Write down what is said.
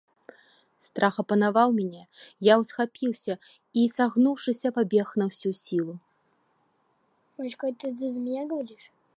Страх апанаваў мяне, я ўсхапіўся і, сагнуўшыся, пабег на ўсю сілу.